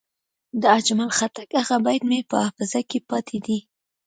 د اجمل خټک هغه بیت مې په حافظه کې پاتې دی.